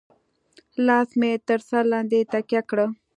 لاس مې تر سر لاندې تکيه کړه.